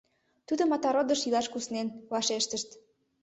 — Тудо Матародыш илаш куснен, — вашештышт.